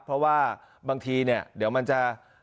เพราะว่าบางทีเนี่ยเดี๋ยวมันจะ